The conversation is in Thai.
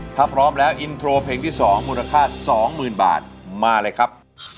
ถ้าพร้อมแล้วอินโทรเพลงที่สองมูลค่าสองหมื่นบาทมาเลยครับ